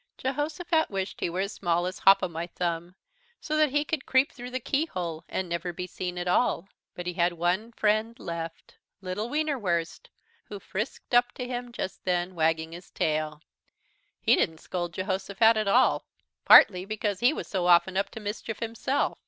Jehosophat wished he were as small as Hop o' my Thumb, so that he could creep through the keyhole and never be seen at all. But he had one friend left little Wienerwurst, who frisked up to him just then, wagging his tail. He didn't scold Jehosophat at all, partly because he was so often up to mischief himself.